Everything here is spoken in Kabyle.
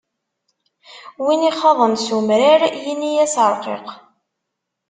Win ixaḍen s umrar, yini-as ṛqiq.